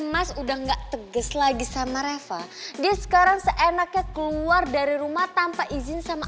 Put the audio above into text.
mas udah enggak tegas lagi sama reva dia sekarang seenaknya keluar dari rumah tanpa izin sama